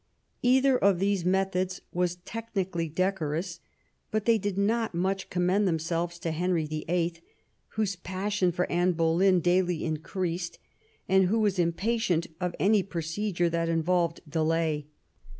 Either of these methods was technically decorous; but they did not much commend themselves to Henry VIH., whose passion for Anne Bole3ni daily increased, and who was impatient of any procedure that involved delay.